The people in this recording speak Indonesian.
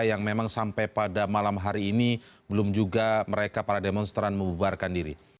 yang memang sampai pada malam hari ini belum juga mereka para demonstran membubarkan diri